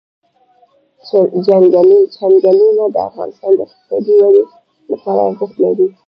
چنګلونه د افغانستان د اقتصادي ودې لپاره ارزښت لري.